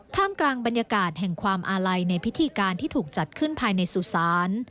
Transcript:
กลางบรรยากาศแห่งความอาลัยในพิธีการที่ถูกจัดขึ้นภายในสุสาน